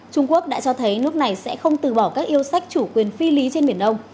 trung quốc đã cho thấy nước này sẽ không từ bỏ các yêu sách chủ quyền phi lý trên biển đông